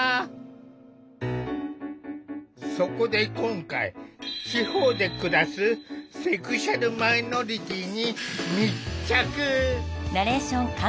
そこで今回地方で暮らすセクシュアルマイノリティーに密着。